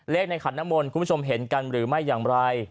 ในขันน้ำมนต์คุณผู้ชมเห็นกันหรือไม่อย่างไร